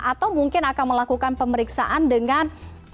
atau mungkin akan melakukan pemeriksaan dengan